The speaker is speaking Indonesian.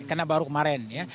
karena baru kemarin ya